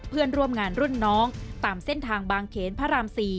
เพื่อนร่วมงานรุ่นน้องตามเส้นทางบางเขนพระราม๔